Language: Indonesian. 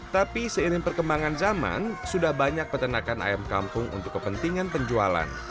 tapi seiring perkembangan zaman sudah banyak peternakan ayam kampung untuk kepentingan penjualan